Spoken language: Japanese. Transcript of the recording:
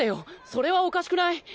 それはおかしくない？